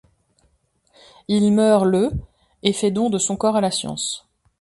Il meurt le et fait don de son corps à la science.